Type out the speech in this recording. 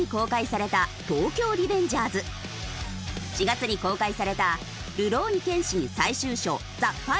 ４月に公開された『るろうに剣心最終章ＴｈｅＦｉｎａｌ』。